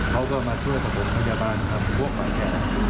เขาก็มาช่วยปฐมพยาบาลกับพวกป่าแก่